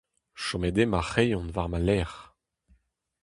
Chomet eo ma c'hreion war ma lerc'h.